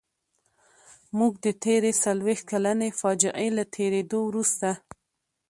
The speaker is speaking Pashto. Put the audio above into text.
موږ د تېرې څلويښت کلنې فاجعې له تېرېدو وروسته.